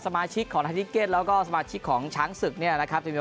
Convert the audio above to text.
สมาชิกของฮานิเก็ตแล้วก็สมาชิกของช้างศึกเนี่ยนะครับ